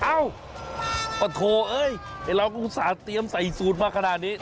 เอ้าปะโถเอ้ยไอ้เราก็อุตส่าห์เตรียมใส่สูตรมาขนาดนี้